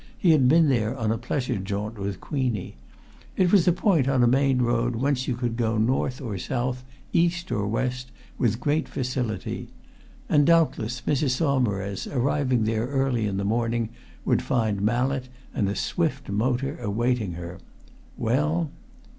He had been there on a pleasure jaunt with Queenie. It was a point on a main road whence you could go north or south, east or west with great facility. And doubtless Mrs. Saumarez, arriving there early in the morning, would find Mallett and a swift motor awaiting her. Well....